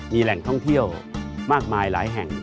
มีแหล่งท่องเที่ยวมากมายหลายแห่ง